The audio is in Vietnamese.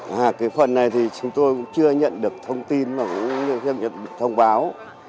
cái phần này thì chúng tôi cũng chưa nhận được thông tin không nhận được thông báo